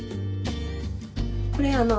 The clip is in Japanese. これあの